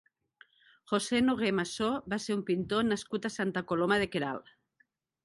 José Nogué Massó va ser un pintor nascut a Santa Coloma de Queralt.